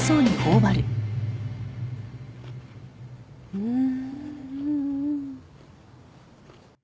うん。